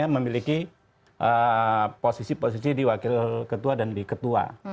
memiliki posisi posisi di wakil ketua dan di ketua